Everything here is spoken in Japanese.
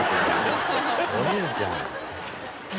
お兄ちゃん。